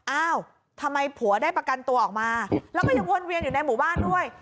อ้าวทำไมผัวได้ประกันตัวออกมาแล้วก็ยังวนเวียนอยู่ในหมู่บ้านด้วย